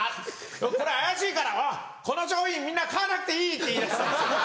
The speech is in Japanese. これ怪しいからこの商品みんな買わなくていい」って言いだしたんですよ